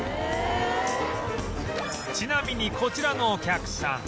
ちなみにこちらのお客さん